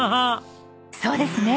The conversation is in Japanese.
そうですね。